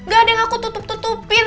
gak ada yang aku tutup tutupin